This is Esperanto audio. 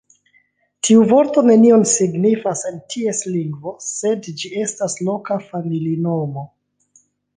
Tiu vorto nenion signifas en ties lingvo, sed ĝi estas loka familinomo.